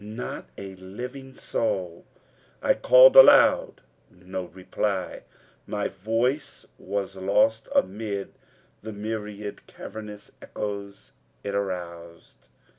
Not a living soul. I called aloud. No reply. My voice was lost amid the myriad cavernous echoes it aroused!